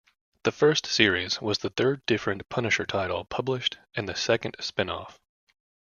The first series was the third different Punisher title published and the second spin-off.